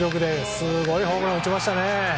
すごいホームランを打ちました。